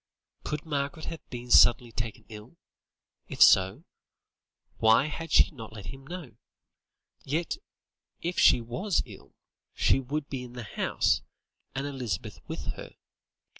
Could Margaret have been suddenly taken ill? If so, why had she not let him know? Yet, if she was ill, she would be in the house, and Elizabeth with her.